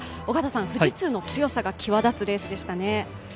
尾方さん、富士通の強さが際立つレースでしたね。